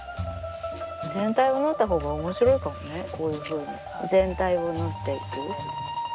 全体を縫ったほうが面白いかもねこういうふうに全体を縫っていく。